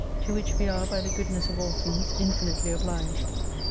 To which we are by the goodness of all things infinitely obliged.